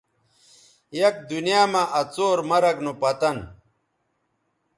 یک دنیاں مہ آ څور مرگ نو پتن